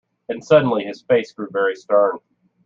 And suddenly his face grew very stern.